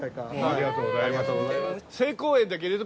ありがとうございます。